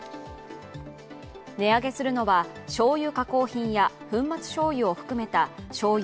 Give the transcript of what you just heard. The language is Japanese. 値上げするのは、しょうゆ加工品や粉末しょうゆを含めたしょうゆ